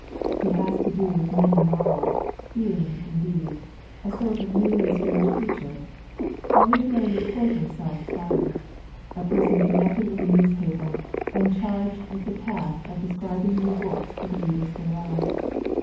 He has to do with many novels, being, indeed, a sort of new and strange creature, a literary reporter self styled, a person con nected with a newspaper and charged with the task of describing new books for the readers thereof.